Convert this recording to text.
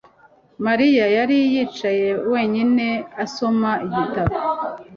Mariya yari yicaye wenyine asoma igitabo